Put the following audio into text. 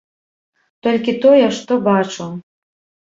Толькі тое, што бачыў.